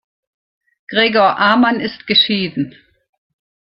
Gregor Amann ist geschieden.